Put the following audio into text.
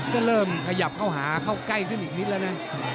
ก็เริ่มขยับเข้าหาเข้าใกล้ขึ้นอีกนิดแล้วนะ